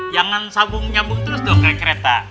jangan sambung sambung terus dong kayak kereta